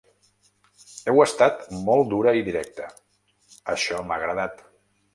Heu estat molt dura i directa, això m’ha agradat.